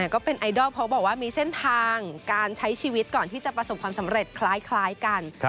ก็เป็นไอดอลเพราะบอกว่ามีเส้นทางการใช้ชีวิตก่อนที่จะประสบความสำเร็จคล้ายกัน